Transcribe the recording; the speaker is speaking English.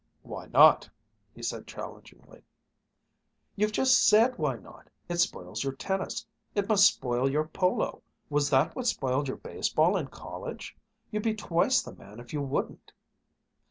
"Why not?" he said challengingly. "You've just said why not it spoils your tennis. It must spoil your polo. Was that what spoiled your baseball in college? You'd be twice the man if you wouldn't."